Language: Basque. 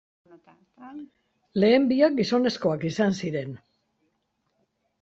Lehen biak, gizonezkoak izan ziren.